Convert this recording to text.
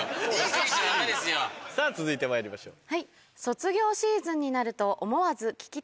さぁ続いてまいりましょう。